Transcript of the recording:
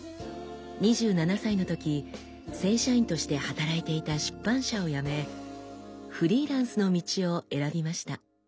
２７歳のとき正社員として働いていた出版社を辞めフリーランスの道を選びました。